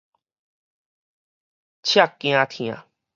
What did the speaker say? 遮驚疼